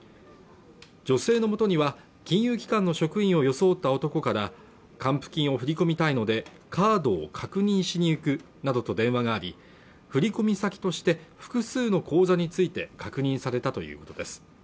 女性のもとには金融機関の職員を装った男から還付金を振り込みたいのでカードを確認しに行くなどと電話があり振込先として複数の口座について確認されたということです